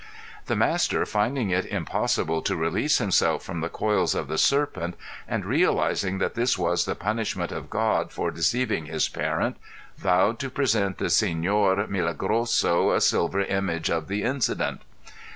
The master finding it impossible to release himself from the coils of the serpent and realising that this was the punishment of God for deceiving his parent vowed to present the Se├▒or Milagroso a silver image of the incident.